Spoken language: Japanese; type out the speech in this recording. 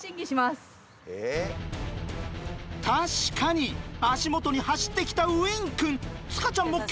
確かに足元に走ってきたウィンくん。